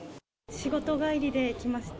仕事帰りで来ました。